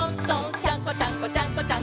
「ちゃんこちゃんこちゃんこちゃん